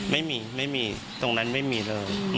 ไม่มีไม่มีตรงนั้นไม่มีเลย